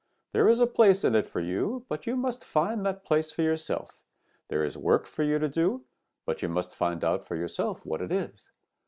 There is a place in it for you, but you must find that place for yourself. There is work for you to do, but you must find out for yourself what it is.